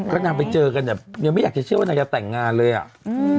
ก็นางไปเจอกันแบบยังไม่อยากจะเชื่อว่านางจะแต่งงานเลยอ่ะอืม